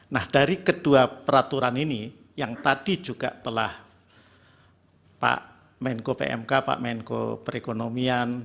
nah dari kedua peraturan ini yang tadi juga telah pak menko pmk pak menko perekonomian